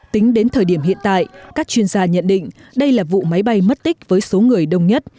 tính đến thời điểm hiện tại các chuyên gia nhận định đây là vụ máy bay mất tích với số người đông nhất